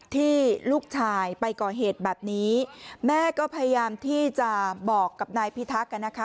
ที่ลูกชายไปก่อเหตุแบบนี้แม่ก็พยายามที่จะบอกกับนายพิทักษ์กันนะคะ